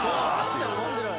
・面白い。